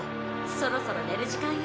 そろそろ寝る時間よ